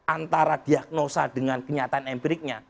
antara diagnosa dengan kenyataan empiriknya